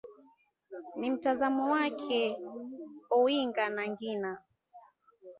ni mtazamo wake ojwang nagina